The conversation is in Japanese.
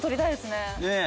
ねえ！